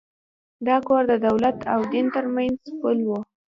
دا کور د دولت او دین تر منځ پُل و.